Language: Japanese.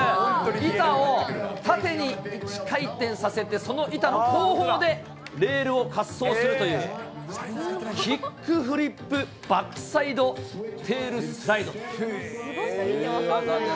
板を縦に１回転させて、その板の後方でレールを滑走するという、キックフリップバックサイドテールスライドという。